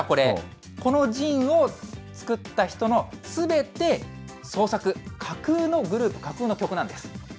実はこれ、このＺＩＮＥを作った人のすべて創作、架空のグループ、架空の曲なんです。